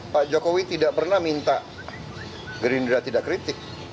pak jokowi tidak pernah minta gerindra tidak kritik